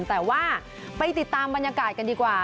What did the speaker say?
แต่ว่าไปติดตามบรรยากาศกันดีกว่า